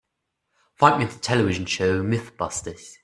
Find me the television show MythBusters